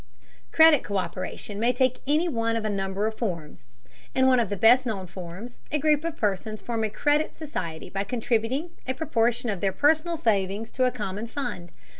Credit co÷peration may take any one of a number of forms. In one of the best known forms, a group of persons form a credit society by contributing a proportion of their personal savings to a common fund.